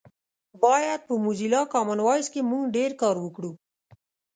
باید په موزیلا کامن وایس کې مونږ ډېر کار وکړو